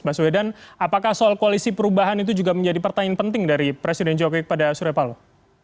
baswedan apakah soal koalisi perubahan itu juga menjadi pertanyaan penting dari presiden jokowi kepada surya paloh